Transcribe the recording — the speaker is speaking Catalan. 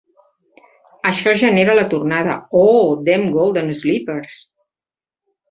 Això genera la tornada: Oh, dem golden slippers!